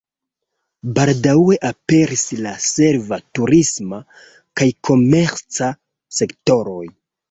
Baldaŭe aperis la serva, turisma kaj komerca sektoroj.